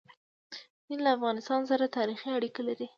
هند له افغانستان سره تاریخي اړیکې لري.